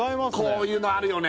こういうのあるよね